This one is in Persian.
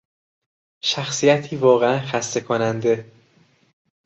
شخصیتی واقعا خسته کننده